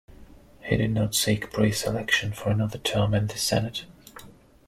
He did not seek pre-selection for another term in the Senate.